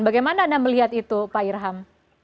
bagaimana anda melihat itu pak irham